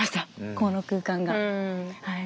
この空間がはい。